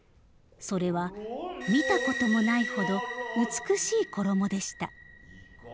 それは見たこともないほど美しい衣でした。